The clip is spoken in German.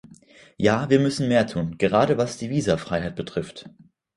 Ja, wir müssen mehr tun, gerade was die Visafreiheit betrifft.